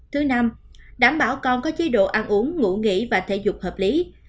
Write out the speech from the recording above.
thứ năm đảm bảo con có chế độ ăn uống ngủ nghỉ và thể dục hợp lý